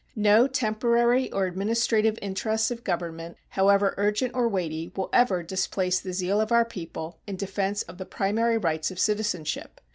No temporary or administrative interests of Government, however urgent or weighty, will ever displace the zeal of our people in defense of the primary rights of citizenship.